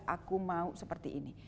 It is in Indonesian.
aku mau seperti ini